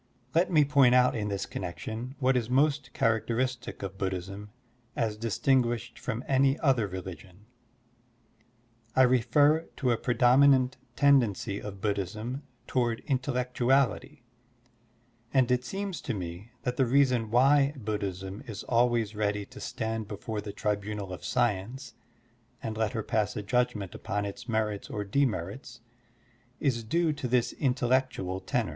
Let me point out in this connection what is most characteristic of Buddhism as distinguished from any other religion. I refer to a predominant tendency of Buddhism toward intellectuality, and it seems to me that the reason why Buddhism is always ready to stand before the tribunal of science and let her pass a judgment upon its merits or demerits is due to this intellectual tenor.